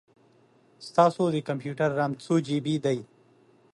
ستاسو د کمپیوټر رم څو جې بې دی؟